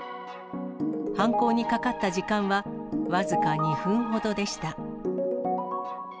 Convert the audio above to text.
犯行にかかった時間は、僅か２分ほどでした。